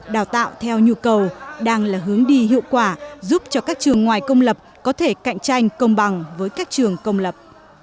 đào tạo theo nhu cầu đang là hướng đi hiệu quả giúp cho các trường ngoài công lập có thể cạnh tranh công bằng với các trường công lập